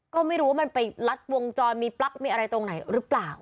ก็ไม่รู้ว่ามันไปลัดวงจรมีปลั๊กมีอะไรตรงไหนหรือเปล่า